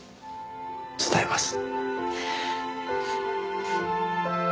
伝えます。